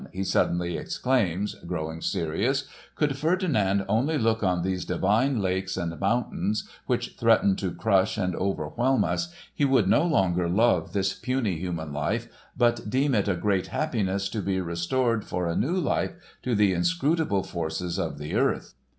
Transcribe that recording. he suddenly exclaims, growing serious; "could Ferdinand only look on these divine lakes and mountains which threaten to crush and overwhelm us he would no longer love this puny human life but deem it a great happiness to be restored for a new life to the inscrutable forces of the earth"!